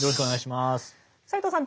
斎藤さん